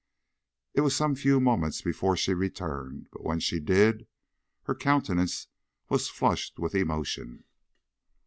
It was some few moments before she returned, but when she did, her countenance was flushed with emotion.